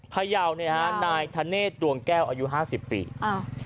พยาวเนี่ยฮะนายธเนศดวงแก้วอายุห้าสิบปีอ้าว